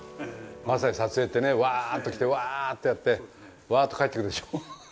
まさに撮影ってねワーッと来てワーッとやってワーッと帰っていくでしょ。